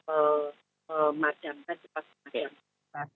apa mungkin haft sudah semakin dingin bisa lebih